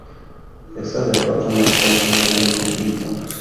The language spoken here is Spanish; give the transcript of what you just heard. Esa derrota marcó el final del conflicto.